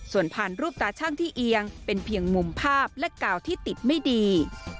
ส่วนผ่านรูปตาช่างที่เอียงเป็นเพียงมุมภาพและกาวที่ติดไม่ดี